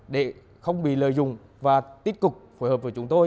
để không bị lợi dụng và tích cực phối hợp với chúng tôi